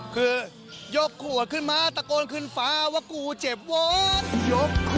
คือยกขวดขึ้นมาตะโกนขึ้นฟ้าว่ากูเจ็บวอนยก